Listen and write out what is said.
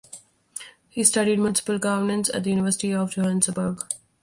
He studied municipal governance at the University of Johannesburg.